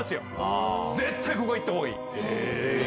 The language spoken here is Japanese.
絶対ここは行った方がいい！